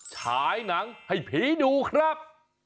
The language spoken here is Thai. ฉายหนังให้ผีดูครับ